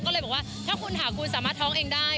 ก็เลยบอกว่าถ้าคุณหาคุณสามารถท้องเองได้